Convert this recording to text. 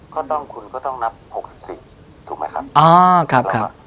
ก็ต้องคุณก็ต้องนับหกสิบสี่ถูกไหมครับอ๋อครับครับ